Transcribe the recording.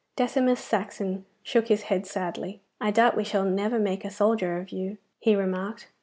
Decimus Saxon shook his head sadly. 'I doubt we shall never make a soldier of you,' he remarked.